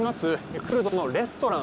クルドのレストラン。